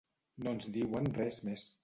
No ens diuen res més.